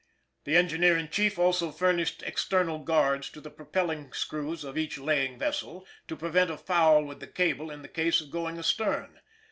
The engineer in chief also furnished external guards to the propelling screws of each laying vessel to prevent a foul with the cable in the case of going "astern."